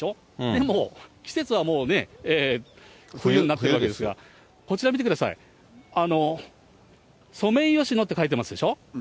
でも、季節はもうね、冬になってるわけですが、こちら見てください、あの、ソメイヨシノって書いてますでしょ。